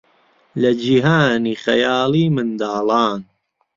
لە جیهانی خەیاڵیی منداڵان